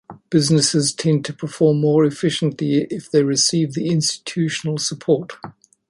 Businesses tend to perform more efficiently if they receive the institutional support.